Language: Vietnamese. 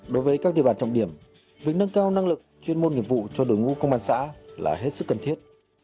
đối với các địa bàn trọng điểm việc nâng cao năng lực chuyên môn nghiệp vụ cho đội ngũ công an xã là hết sức cần thiết